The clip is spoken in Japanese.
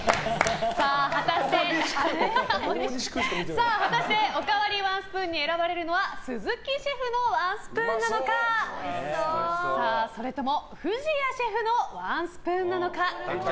さあ、果たしておかわりワンスプーンに選ばれるのは鈴木シェフのワンスプーンなのかそれとも藤谷シェフのワンスプーンなのか。